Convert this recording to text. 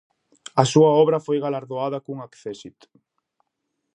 A súa obra foi galardoada cun accésit.